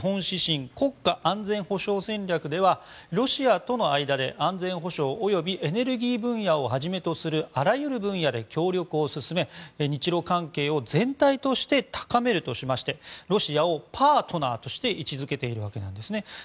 指針国家安全保障戦略ではロシアとの間で安全保障及びエネルギー分野をはじめとするあらゆる分野で協力を進め日ロ関係を全体として高めるとしましてロシアをパートナーとして位置付けているわけなんですね。